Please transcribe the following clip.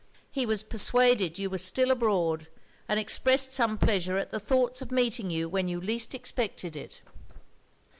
He was persuaded you were still abroad; and expressed some pleasure at the thoughts of meeting you when you least expected it.'